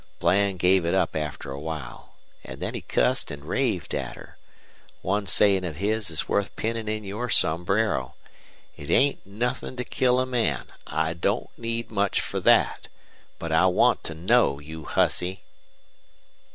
Bland gave it up after a while. An' then he cussed an' raved at her. One sayin' of his is worth pinnin' in your sombrero: 'It ain't nuthin' to kill a man. I don't need much fer thet. But I want to KNOW, you hussy!'